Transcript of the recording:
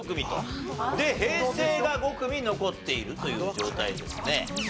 平成が５組残っているという状態ですね。